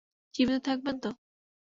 জীবিত থাকবেন তো!